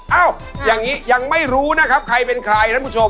อย่างนี้ยังไม่รู้นะครับใครเป็นใครท่านผู้ชม